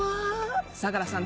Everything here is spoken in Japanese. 相良さん